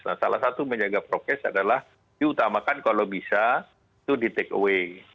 nah salah satu menjaga prokes adalah diutamakan kalau bisa itu di take away